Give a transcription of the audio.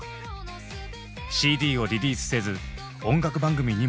ＣＤをリリースせず音楽番組にも出ない。